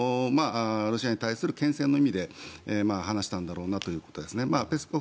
ロシアに対するけん制の意味で話したんだろうなということですね。